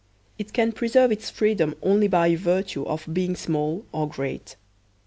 It can preserve its freedom only by virtue of being small or great.